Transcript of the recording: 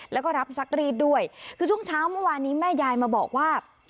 แล้วก็รับซักรีดด้วยคือช่วงเช้าเมื่อวานนี้แม่ยายมาบอกว่า